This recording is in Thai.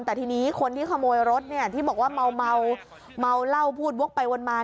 แต่ทีนี้คนที่ขโมยรถที่บอกว่าเมาเหล้าพูดวกไปวนมา